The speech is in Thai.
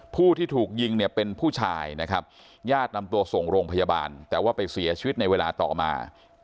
ผู้ที่ถูกยิงเนี่ยเป็นผู้ชายนะครับญาตินำตัวส่งโรงพยาบาลแต่ว่าไปเสียชีวิตในเวลาต่อมา